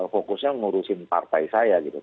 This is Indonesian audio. fokusnya ngurusin partai saya gitu